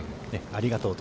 ◆ありがとう。